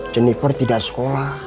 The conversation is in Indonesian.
jennifer tidak sekolah